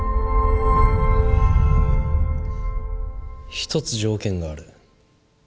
１つ条件がある。